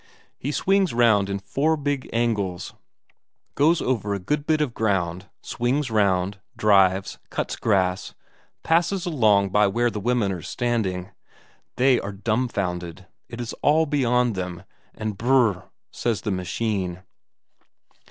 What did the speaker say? He swings round in four big angles, goes over a good bit of ground, swings round, drives, cuts grass, passes along by where the women are standing; they are dumbfounded, it is all beyond them, and Brrr! says the machine.